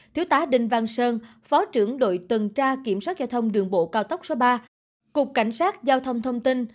thiếu tá đinh văn sơn phó trưởng đội tuần tra kiểm soát giao thông đường bộ cao tốc số ba cục cảnh sát giao thông thông tin